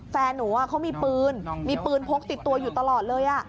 แฟนหนูเขามีปืนมีปืนพกติดตัวอยู่ตลอดเลย